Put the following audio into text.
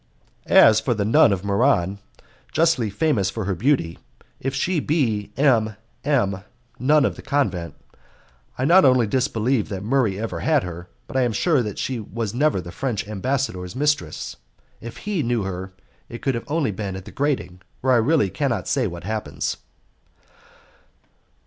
"As for the nun of Muran, justly famous for her beauty, if she be M M , nun of the convent..., I not only disbelieve that Murray ever had her, but I am sure she was never the French ambassador's mistress. If he knew her it could only have been at the grating, where I really cannot say what happens."